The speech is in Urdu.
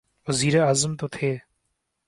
وزیراعظم تو تھے۔